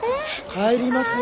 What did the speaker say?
帰りますよ。